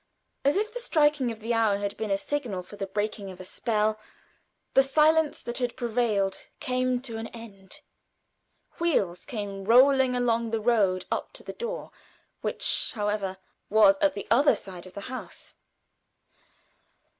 As if the striking of the hour had been a signal for the breaking of a spell, the silence that had prevailed came to an end. Wheels came rolling along the road up to the door, which, however, was at the other side of the house.